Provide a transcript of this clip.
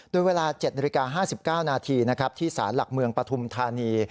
ด้วยเวลา๗๕๙นาทีที่ศาลหลักเมืองปทุมธานี